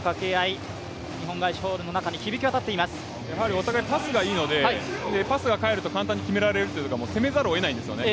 お互いパスがいいのでパスが返ると簡単に決められるっていうところで攻めざるをえないんですよね。